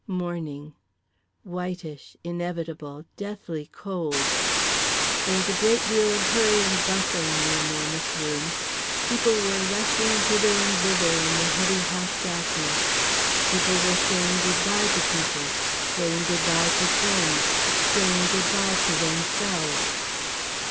Morning. Whitish. Inevitable. Deathly cold. There was a great deal of hurry and bustle in The Enormous Room. People were rushing hither and thither in the heavy half darkness. People were saying good bye to people. Saying good bye to friends. Saying good bye to themselves.